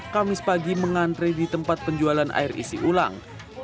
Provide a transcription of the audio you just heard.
kamis pagi mengantre di tempat penjualan air isi ulang